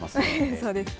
そうですね。